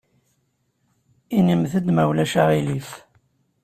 Inimt-d ma ulac aɣilif.